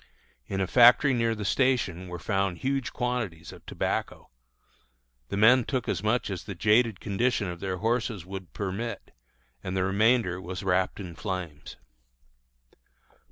In a factory near the station were found huge quantities of tobacco. The men took as much as the jaded condition of their horses would permit, and the remainder was wrapped in flames.